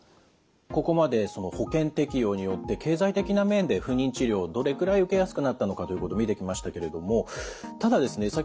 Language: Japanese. ここまで保険適用によって経済的な面で不妊治療をどれくらい受けやすくなったのかということ見てきましたけれどもただですね